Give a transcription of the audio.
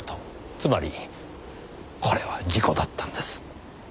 つまりこれは事故だったんです。